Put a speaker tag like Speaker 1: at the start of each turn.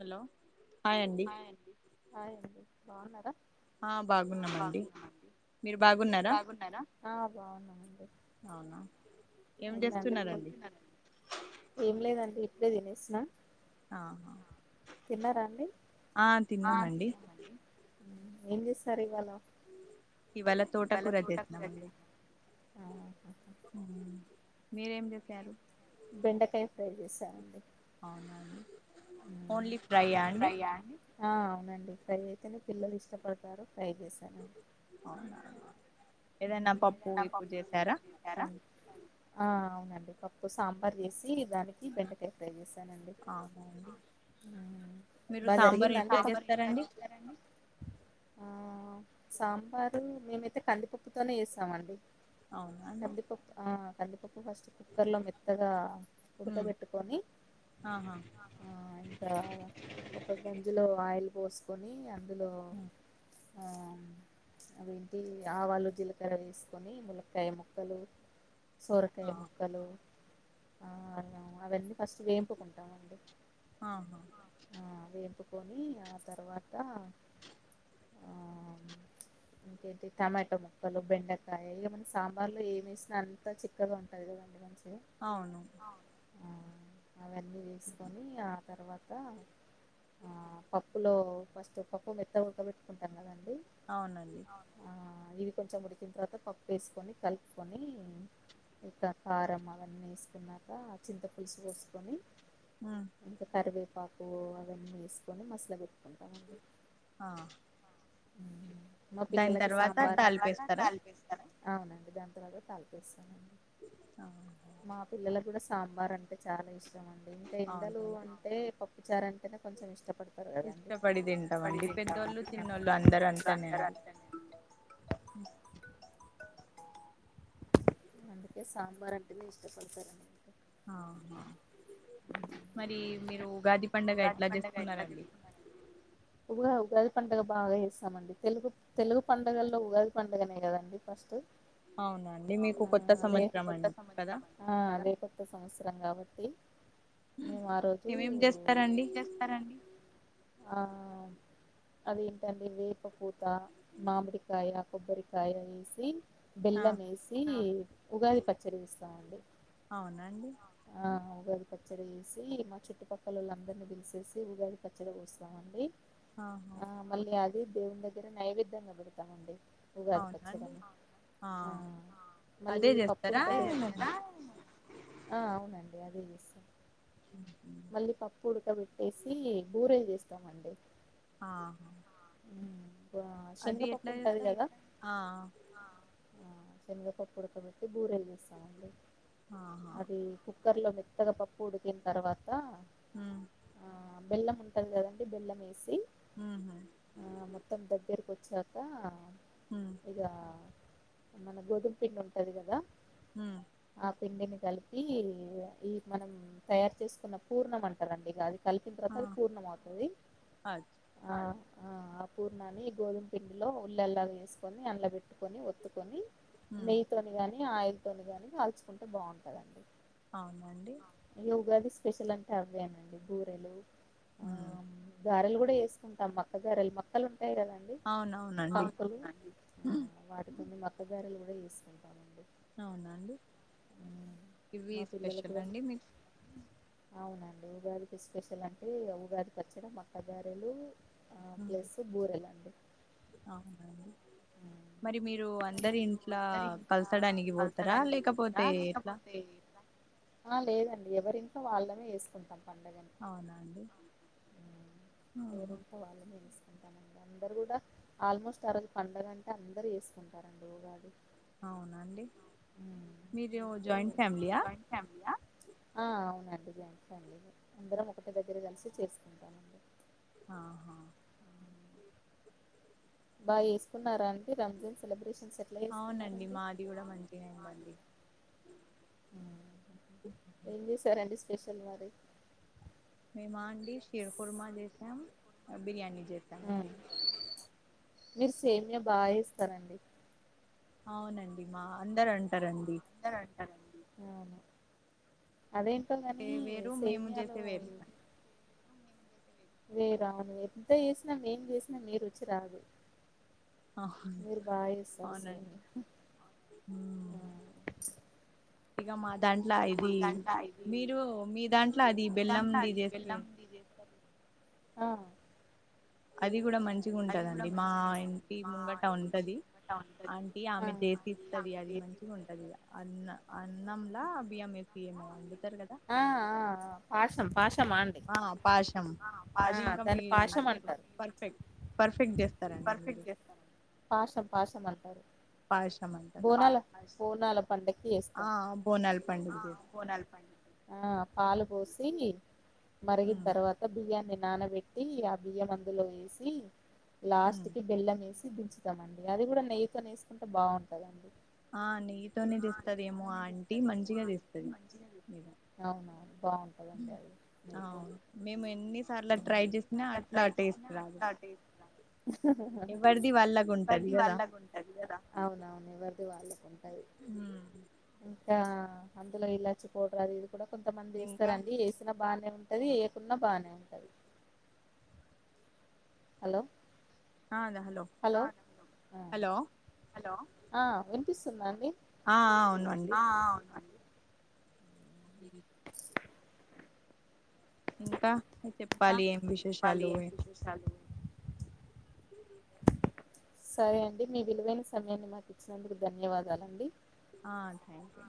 Speaker 1: Hello hi అండి
Speaker 2: బాగున్నారా
Speaker 1: ఆ బాగున్నామండి
Speaker 2: మీరూ బాగున్నారా ఆ బాగున్నానండి
Speaker 1: అవునా ఏం
Speaker 2: అయిందంటే
Speaker 1: చేస్తున్నారండి
Speaker 2: ఏం లేదండి ఇప్పుడే తినేసిన
Speaker 1: అవునా
Speaker 2: తిన్నారా అండి ఆ తిన్నామండి ఆమె చేశారు ఇవాళ
Speaker 1: ఇవాళ తోట కూర చేస్తున్నామండి
Speaker 2: ఆహాహా.
Speaker 1: మీరేం చేసారు
Speaker 2: బెండకాయ ఫ్రై చేసారండి
Speaker 1: అవునా అని
Speaker 2: ఒన్లీ ఫ్రైఅండి ఆ అవునండి ఫ్రై అయితేనే పిల్లలు ఇష్టపడతారు ఫ్రై చేసానండి
Speaker 1: అవునా అండి. ఏదైనా గిప్పు
Speaker 2: పప్పు ఆమె
Speaker 1: చేసారా
Speaker 2: అయిన చేశారా అవునండి పప్పు సాంబార్ చేసి దానికి బెండకాయ ఫ్రై చేసానండి
Speaker 1: అవునా అండి మీరు సాంబార్
Speaker 2: అండి పప్పు సాంబార్ ఎట్లా
Speaker 1: ఎట్లజేస్తారండి
Speaker 2: చేస్తారండి? ఆ సాంబారు మేమైతే కందిపప్పుతోనే చేస్తామండి
Speaker 1: అవునా అండి
Speaker 2: కందిపప్పు ఆ కందిపప్పు ఫస్ట్ కుక్కర్ లో మెత్తగా
Speaker 1: ఉమ్
Speaker 2: ఉడకబెట్టుకొని
Speaker 1: ఆహా
Speaker 2: ఆ ఇంకా ఒక గంజిలో ఆయిల్ పోస్ కొని అందులో
Speaker 1: ఉమ్
Speaker 2: అదేంటి ఆవాలు జీలకర్ర వేసుకొని ముల్లకాయ ముక్కలు సోరకాయ
Speaker 1: ఆ
Speaker 2: ముక్కలు ఆ అ అల్లం అవన్నీ ఫస్ట్ వేంపుకుంటామండి
Speaker 1: ఆహా
Speaker 2: వేంపు కొని ఆ తర్వాత ఆ ఇకేంటి టమోటో క్కలు బెండకాయ ఇగ మన సాంబార్లు ఏమేసినా అంత చిక్కగా ఉంటుంది కదండి మంచిగ
Speaker 1: అవును
Speaker 2: ఆ అవన్నీ వేసుకొని ఆ తర్వాత ఆ పప్పులో ఫస్ట్ పప్పు మొత్తం ఉడకబెట్టుకుంటారు కదండి
Speaker 1: అవునండి
Speaker 2: కొంచెముడికి తర్వాత పప్పు వేసుకని కలుపుకొని ఇక కారం అవన్నీ వేసుకున్నాక ఆ చింత పులుసు పోసుకొని
Speaker 1: ఉమ్
Speaker 2: ఇంకా కరివేపాకు అవన్నీ వేసుకొని మస్ల పెట్
Speaker 1: ఆ
Speaker 2: మా
Speaker 1: దాని
Speaker 2: పిల్లలకి
Speaker 1: తర్వాత
Speaker 2: సాంబ
Speaker 1: తాలిపేస్తారా
Speaker 2: అవునండి దాని తరవాత సాల్ట్ఏస్తాం
Speaker 1: అవును
Speaker 2: మా పిల్లలకు కూడా సాంబార్ అంటే చాలా ఇష్ మండీ ఇంకఎండలు
Speaker 1: అవునండి
Speaker 2: అంటే పప్పుచారు అంటేనే కొంచెం ఇష్టపడ్
Speaker 1: ఇష్టపడి తింటమండి పెద్దోళ్ళు చిన్నోళ్ళు అందరు అంతనే అండి ఉ [inaudible]
Speaker 2: అందుకే సాంబార్ అంటనె ఇష్టపడతారండి
Speaker 1: ఆహా మరి మీరు ఉగాది పండగ ఎట్లా చేస్తుకున్నారండి
Speaker 2: ఉగా ఉగాది పండుగ బాగా చేస్తామండి తెలుగు తెలుగు పండుగల్లో ఉగాది పండగనే కదండి ఫస్ట్
Speaker 1: అవునండి మీకు
Speaker 2: ఆ
Speaker 1: కొత్త
Speaker 2: అదే
Speaker 1: సంవత్సరం అండి కదా
Speaker 2: ఆ అదే కొత్త సంవత్సరం కాబట్టి మేము ఆ రోజు
Speaker 1: ఏమేం చేస్తారండి
Speaker 2: ఆ అదేంటండి వేపపూత మామిడికాయ కొబ్బరికాయ వేసి
Speaker 1: ఆ
Speaker 2: బెల్లం వేసి ఉగాది పచ్చడి చేస్తామండి
Speaker 1: అవునండి
Speaker 2: ఆ ఉగాది పచ్చడి చేసి మా చట్టుపక్కలొల్లందరిని పీలిసేసి ఉగాది పచ్చడి పోస్తామండి
Speaker 1: ఆహా
Speaker 2: ఆ మళ్ళీ దేవుని దగ్గర నైవేద్యంగా పెడతామండి ఉగాది
Speaker 1: అవునండి
Speaker 2: పచ్చడిని ఆ
Speaker 1: అదే
Speaker 2: మళ్ళీ పప్పుడు
Speaker 1: చేస్తారా ఏమైనా
Speaker 2: ఆ అవును నండి అదే వేస్తాం మళ్ళీ పప్పు ఉడుకపెట్టేసి పూరీల్ చేస్తామండి
Speaker 1: ఆ
Speaker 2: శనగపప్పు ఉంటది
Speaker 1: చేస్తారు
Speaker 2: కదా
Speaker 1: ఆ
Speaker 2: ఆ శనగా పప్పు ఉడకబట్టి బూరెలు చేస్తామండి
Speaker 1: ఆహా
Speaker 2: కుక్కర్ లో మెత్తగా పప్పు ఉడికిన్ తర్వాత
Speaker 1: ఊమ్
Speaker 2: ఆ బెల్లం ఉంటంది కదండి బెల్లం ఏసి
Speaker 1: ఉహు
Speaker 2: చతా
Speaker 1: ఉమ్
Speaker 2: ఇగ మన గోధుమ పిండి ఉంటది గదా
Speaker 1: ఉమ్
Speaker 2: పిండిని కలిపి ఇగ ఈ మనం తయారు చేసుకున్న పూర్ణం అంటారండి ఇగ అది కలిపిన తర్వాత
Speaker 1: ఆ
Speaker 2: అది పూర్ణం అవుతది
Speaker 1: అ
Speaker 2: ఆ ఆ ఆ పూర్ణాన్ని గోధుమ పిండిలో ఉల్లల్లాగ ఏసుకొని అండ్ల బెట్ కట్టుకొని ఒత్తుకొని
Speaker 1: ఉమ్
Speaker 2: నెయ్యి తోని గాని ఆయిల్ తోని గాని కాల్చుకుంటే బాగుంటదండి
Speaker 1: అవునండి
Speaker 2: ఇగ ఉగాది స్పెషల్ అంటే అవేనండి బూరెలు
Speaker 1: ఉమ్
Speaker 2: వేసుకుంటాం మక్కగారెలు మక్కలు ఉ ఉంటాయి గదండి
Speaker 1: అవునవునండి
Speaker 2: ఆకులు
Speaker 1: ఉమ్,
Speaker 2: వాటి మీద మకగారెలు గూడా జేసుకుంటామండి
Speaker 1: అవునా అండి ఇవి
Speaker 2: మా పిల్లలు
Speaker 1: స్పెషల్
Speaker 2: కూడా
Speaker 1: అండి మీక్
Speaker 2: అవునండి ఉగాదికి స్పెషల్ అంటే ఉగాది పచ్చడ మక్కగారెలు ఆ
Speaker 1: ఉమ్,
Speaker 2: ప్లస్ బూరెలండి
Speaker 1: అవునండి మరి మీరు అందరు ఇంట్లా కలసడానికి ఒతరా లేకపోతే ఎట్లా
Speaker 2: ఆ లేదండి ఎవరింట్ల వాళ్ళనే ఏసుకుంటం పండగన్
Speaker 1: అవునా అండి
Speaker 2: ఉమ్
Speaker 1: ఆహా
Speaker 2: వరం పోవలనిపిస్తది ఉమ్ అందరు గూడా ఆల్మోస్ట్ ఆ రోజు పండుగంటే అందరుూ జేసుకుంటారండి ఉగాది
Speaker 1: అవునండి మీరు
Speaker 2: అందుకే
Speaker 1: జాయింట్ ఫ్యామిలీయా
Speaker 2: ఆ అవునండి జాయింట్ ఫ్యామిలీ నే అందరం ఒకటె దగ్గర కలిసి చేసుకుంటామండి
Speaker 1: ఆహా
Speaker 2: బాగా చేసుకున్నారా అండి రంజాన్ సెలబ్రేషన్స్ ఎట్లా చేసుకున్నారండి
Speaker 1: ఉండండి
Speaker 2: ఏం చేసారండీ స్పెషల్ మరి
Speaker 1: మేమా అండి షీర్ కుర్మా చేసాం బిర్యానీ జేత్తమండి
Speaker 2: మీరు సేమ్య బాగా చేస్తారండి
Speaker 1: అవునండి మా అందరు అంటారండి
Speaker 2: అవును అదేంటో
Speaker 1: ఏ
Speaker 2: గాని
Speaker 1: వేరు మేము
Speaker 2: సేమ్యాలు
Speaker 1: చేసే వేరు
Speaker 2: మిరా ఎంత చేసిన మేం జేస్నా మీ రుచి రాదు
Speaker 1: అవును-
Speaker 2: మీరు బాగా చేస్తారు సేమ్యా
Speaker 1: మ్మ్
Speaker 2: మా దాంట్ల ఇది
Speaker 1: మీరు మీ
Speaker 2: మీరు
Speaker 1: దాంట్లో అది
Speaker 2: మీ దాంట్ల
Speaker 1: బెల్లంది
Speaker 2: అది
Speaker 1: చేస్తే
Speaker 2: బెల్లంది చేస్తారు ఆ
Speaker 1: అది గూడా మంచిగుంటదండి మా ఇంటి ముంగట ఉంటది అంటీ
Speaker 2: ఆ ఆ
Speaker 1: ఆమె చేపిస్తది అది మంచిగుంటది ఇగ అన్న అన్నంలా బియ్యం ఏ
Speaker 2: అర్థంగా
Speaker 1: ఏమో వండుతారు గదా
Speaker 2: పాషం పాషమా అండి ఆ
Speaker 1: అది ఇంకా
Speaker 2: దాన్ని
Speaker 1: మీ
Speaker 2: పాయసం
Speaker 1: మీరు
Speaker 2: అంటారు
Speaker 1: పర్ఫెక్ట్ పర్ఫెక్ట్ చేస్తారండి
Speaker 2: పర్ఫెక్ట్
Speaker 1: మీరు
Speaker 2: చేస్తరు పాసం పాయసం అంటారు
Speaker 1: పాయసం అంటారా
Speaker 2: బోనాల బోనాల పండక్కి
Speaker 1: ఆ
Speaker 2: చేస్తారు
Speaker 1: బోనాల పండుగ చేస్తారు
Speaker 2: ఆ పాలు పోసి మరిగిన
Speaker 1: ఉమ్,
Speaker 2: తర్వాత బియ్యాన్ని ఎ నానబెట్టి ఆ బియ్యం అందులో వేసి లాస్ట్
Speaker 1: ఉమ్.
Speaker 2: కి బెల్లం ఏసి దించుతాం అండి అది గూడా నెయ్యితోనేే ఏసుకుంటే బాగుంటదండి
Speaker 1: ఆ నెయ్యి తోనే చేస్తాదేమో ఆంటీ మంచిగా చేస్తాది
Speaker 2: అవునవును బాగుంటదండి అది నెయ్యితోని
Speaker 1: అవును మేము ఎన్నిసార్లు ట్రై జేసినా అట్లా టేస్ట్ రాదు ఎవరిది వాళ్ళకు ఉంటది కదా
Speaker 2: అవునవును ఎవరిది వాళ్ళకు ఉంటది ఇంకా అందులో ఇల [unintelligible] అవి కూడా కొంత మంది
Speaker 1: ఇంకా
Speaker 2: ఎస్తారండి వేసినా బాగానే ఉం అది వేయకున్న బానే ఉంటది హలో హలో
Speaker 1: హలో
Speaker 2: హలో వినిపిస్తుంద అండి
Speaker 1: ఆ అవును అండి
Speaker 2: ఆ ఆ అవునండి
Speaker 1: మీ ఇంకా చెప్పాలి ఏం విశేషాలు
Speaker 2: సరే అండి మీ విలువైన సమయాన్ని మాకు ఇచ్చినందుకు ధన్యవాదాలండి
Speaker 1: ఆ థ్యాంక్ యూ